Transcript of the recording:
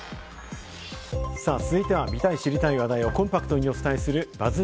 続いては見たい知りたい話題をコンパクトにお伝えするＢＵＺＺ